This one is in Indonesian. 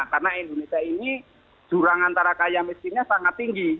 karena indonesia ini jurang antara kaya miskinnya sangat tinggi